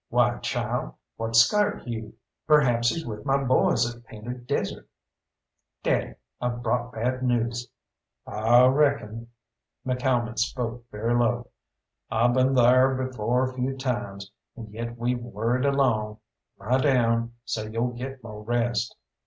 Why, child, what's scart you? Perhaps he's with my boys at Painted Desert." "Daddy, I've brought bad news." "I reckon" McCalmont spoke very low "I been thar before a few times, and yet we've worried along. Lie down, so you'll get mo' rest."